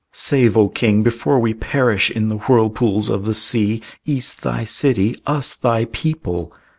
"Save, O king, before we perish In the whirlpools of the sea, Ys thy city, us thy people!"